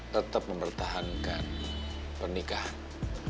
tetap mempertahankan pernikahan